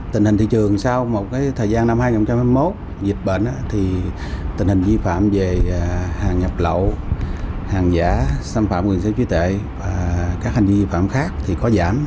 tình hình thị trường sau một thời gian năm hai nghìn hai mươi một dịch bệnh thì tình hình vi phạm về hàng nhập lậu hàng giả xâm phạm quyền sở trí tệ và các hành vi vi phạm khác thì có giảm